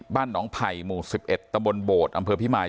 บ้านน้องภัยหมู่สิบเอ็ดตะบลโบดอำเภอพิมาย